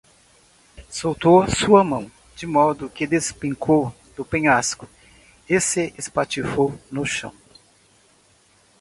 Soltou sua mão, de modo que despencou do penhasco e se espatifou no chão